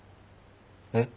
えっ？